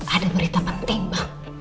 ada berita penting bang